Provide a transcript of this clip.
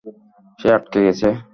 সে আটকে গেছে।